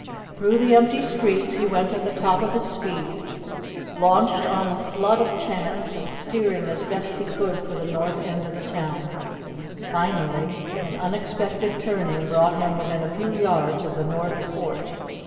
Through the empty streets he went at the top of his speed, launched on the flood of chance, and steering as best he could for the north end of the town. Finally, an unexpected turning brought him within a few yards of the North Port.